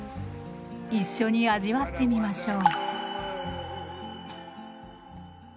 一緒に味わってみましょう。